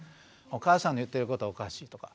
お母さんの言ってることおかしいとか。